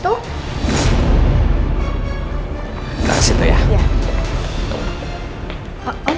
tapi kalau aku sakit sebenarnya tuh aku tidur